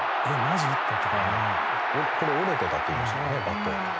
これ折れてたっていいましたもんねバット。